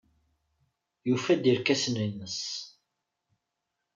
Yufa-d irkasen-nnes.